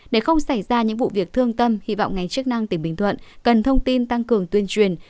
để không xảy ra những vụ việc thương tâm hy vọng ngành chức năng tỉnh bình thuận cần thông tin tăng cường tuyên truyền